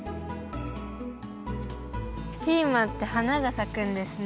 ピーマンってはながさくんですね。